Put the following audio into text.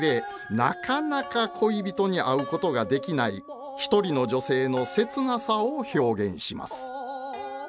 なかなか恋人に会うことができない一人の女性の切なさを表現します。